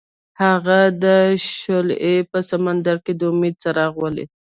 هغه د شعله په سمندر کې د امید څراغ ولید.